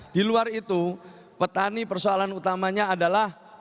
di luar itu petani persoalan utamanya adalah